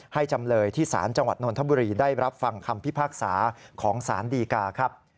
จำเลยที่ศาลจังหวัดนทบุรีได้รับฟังคำพิพากษาของสารดีกาครับ